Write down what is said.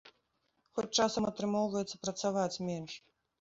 Хоць часам атрымоўваецца працаваць менш.